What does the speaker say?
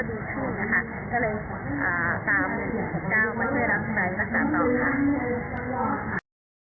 สวัสดีครับ